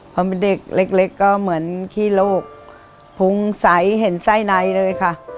พอเป็นเด็กเล็กก็เหมือนขี้โลกพุงใสเห็นไส้ในเลยค่ะ